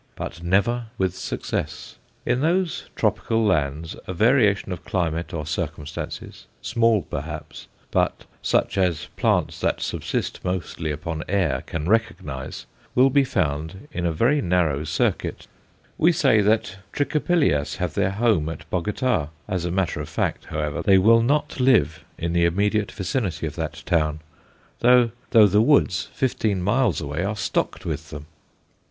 But never with success. In those tropical lands a variation of climate or circumstances, small perhaps, but such as plants that subsist mostly upon air can recognize, will be found in a very narrow circuit. We say that Trichopilias have their home at Bogota. As a matter of fact, however, they will not live in the immediate vicinity of that town, though the woods, fifteen miles away, are stocked with them.